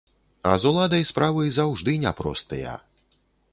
А з уладай справы заўжды няпростыя.